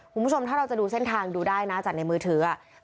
คุณผู้ชมถ้าเราจะดูเส้นทางดูได้นะจากในมือถือ